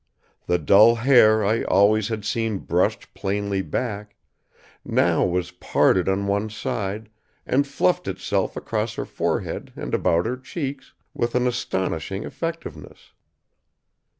The dull hair I always had seen brushed plainly back, now was parted on one side and fluffed itself across her forehead and about her cheeks with an astonishing effectiveness.